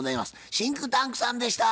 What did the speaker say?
シンクタンクさんでした。